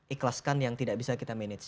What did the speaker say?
ikhlaskan yang tidak bisa kita manage